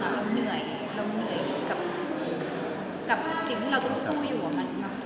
เราเหนื่อยกับสิ่งที่เราต้องซู่อยู่กับเหมือนักใจ